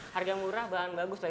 harga murah bahan bagus lah